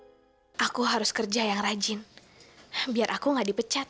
saya harus bekerja secara rajin biar saya nggak dipecat